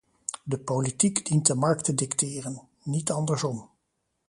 De politiek dient de markt te dicteren, niet andersom.